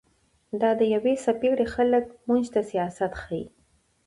دا د يوې څپېړي خلق موږ ته سياست ښيي